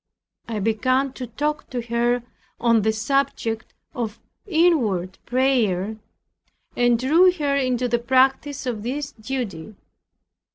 I began to talk to her on the subject of inward prayer, and drew her into the practice of this duty.